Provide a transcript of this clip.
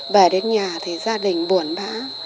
về đến nhà thì gia đình buồn bã